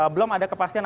belum ada kepastian